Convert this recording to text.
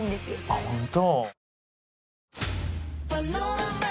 あっ本当？